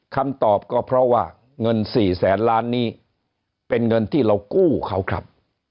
คำตอบก็เพราะว่าเงิน๔แสนล้านนี้เป็นเงินที่เรากู้เขาครับ